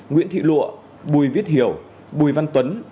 nguyễn thị lụa bùi viết hiểu bùi văn tuấn